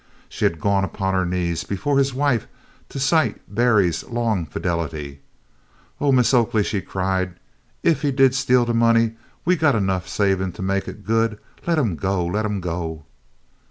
She had gone upon her knees before his wife to cite Berry's long fidelity. "Oh, Mis' Oakley," she cried, "ef he did steal de money, we 've got enough saved to mek it good. Let him go! let him go!"